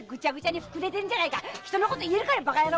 人のこと言えるかバカ野郎！